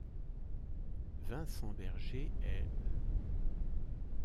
Vincent Berger est l'.